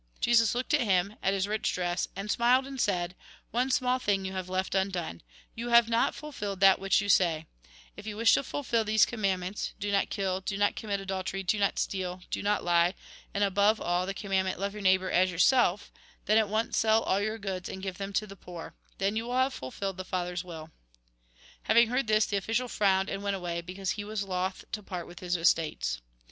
Jesus looked at him, at his rich dress, and smiled, and said :" One small thing you have left undone. You have not fulfilled that which you Do not commit Further, honour and love your ' All these com my childhood ; according to 86 THE GOSPEL IN BRIEF say. If you wish to fulfil these commandments : Do not kill, Do not commit adultery, Do not steal. Do not lie, and, above all, the commandment : Love your neighbour as yourself, — then, at once sell all your goods, and give them to the poor. Then you will have fulfilled the Father's will." Having heard this, the official frowned, and went away, because he was loth to part with his estates.